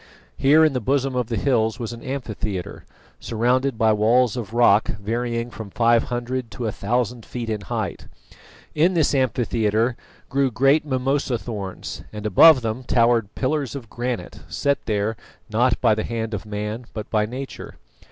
Here in the bosom of the hills was an amphitheatre, surrounded by walls of rock varying from five hundred to a thousand feet in height. In this amphitheatre grew great mimosa thorns, and above them towered pillars of granite, set there not by the hand of man but by nature.